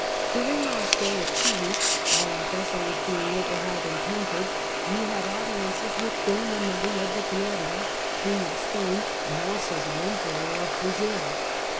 During our stay of two weeks, while our ship was being over hauled and painted, we had audiences with Donna Maria de Gloria, Queen of Spain, and also the Emperor of Brazil.